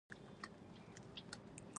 د دایکنډي په ګیتي کې د وسپنې نښې شته.